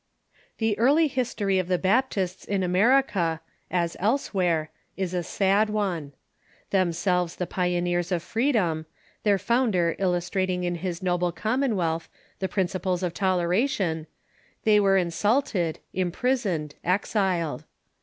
The early history of the Baptists in America, as elsewhere, is a sad one. Themselves the pioneers of freedom, tlieir founder illustrating in his noble commonwealth the Persecution ...„,^.,..,. principles oi toleration, they were insulted, impris oned, exiled.